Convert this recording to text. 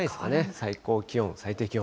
最高気温、最低気温。